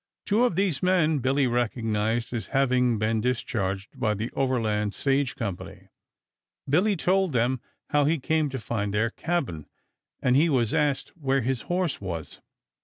Two of these men Billy recognized as having been discharged by the Overland Stage Company. Billy told them how he came to find their cabin, and he was asked where his horse was.